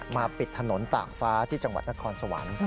ปิดถนนตากฟ้าที่จังหวัดนครสวรรค์